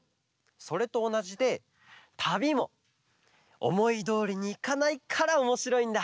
それとおなじでたびもおもいどおりにいかないからおもしろいんだ！